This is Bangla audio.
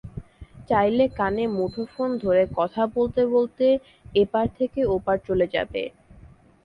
চাইলে কানে মুঠোফোন ধরে কথা বলতে বলতে এপার থেকে ওপারে চলে যাবে।